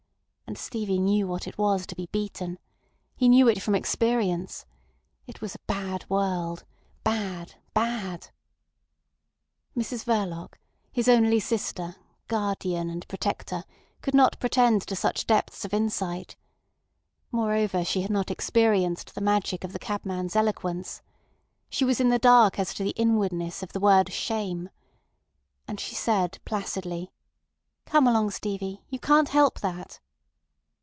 And Stevie knew what it was to be beaten. He knew it from experience. It was a bad world. Bad! Bad! Mrs Verloc, his only sister, guardian, and protector, could not pretend to such depths of insight. Moreover, she had not experienced the magic of the cabman's eloquence. She was in the dark as to the inwardness of the word "Shame." And she said placidly: "Come along, Stevie. You can't help that."